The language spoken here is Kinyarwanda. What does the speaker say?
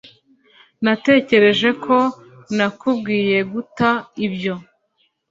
Natekereje ko nakubwiye guta ibyo